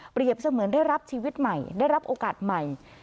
เสมือนได้รับชีวิตใหม่ได้รับโอกาสใหม่